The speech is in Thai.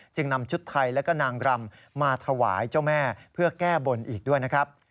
นำชุดไทยแล้วก็นางรำมาถวายเจ้าแม่เพื่อแก้บนอีกด้วยนะครับ